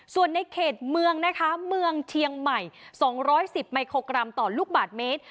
ส่วนในเขตเมืองนะคะเมืองเชียงใหม่๒๑๐มิโครกรัมต่อลูกบาทเมตร